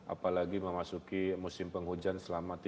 apalagi memasuki musim penghujan dan musim panas